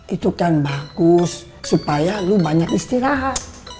itu kan bagus supaya lu banyak istirahat